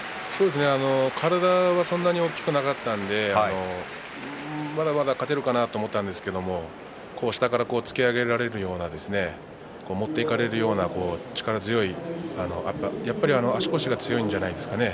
体はそんなに大きくなかったんですけどまだまだ勝てるかなと思ったんですけど下から突き上げられるような持っていかれるような力強い、足腰が強いんじゃないでしょうかね。